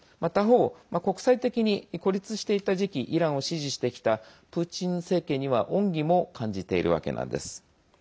他方、国際的に孤立していた時期イランを支持してきたプーチン政権には恩義も感じているわけなんです。